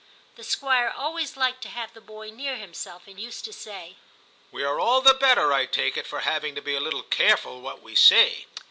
The Squire always liked to have the boy near himself, and used to say, *We are all the better, I take it, for having to be a little careful what we say.